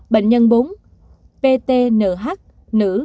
bệnh nhân bốn ptnh nữ